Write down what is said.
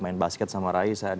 main basket sama raisa